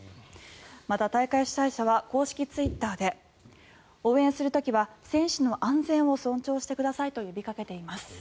また、大会主催者は公式ツイッターで応援する時は選手の安全を尊重してくださいと呼びかけています。